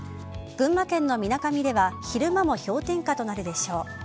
群馬県のみなかみでは昼間も氷点下となるでしょう。